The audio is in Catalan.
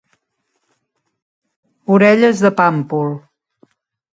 Orelles de pàmpol.